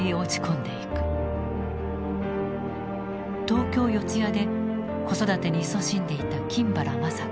東京・四ツ谷で子育てにいそしんでいた金原まさ子。